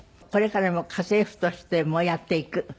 これからも家政婦としてもやっていく？